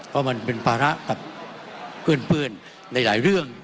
เพราะมันเป็นภาระกับเพื่อนในหลายเรื่อง